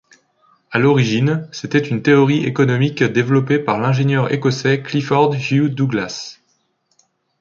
À l'origine, c'était une théorie économique développée par l'ingénieur écossais Clifford Hugh Douglas.